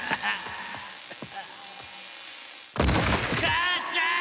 母ちゃん。